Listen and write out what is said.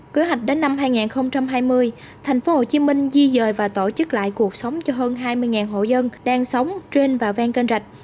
kế hoạch đến năm hai nghìn hai mươi tp hcm di dời và tổ chức lại cuộc sống cho hơn hai mươi hộ dân đang sống trên và ven kênh rạch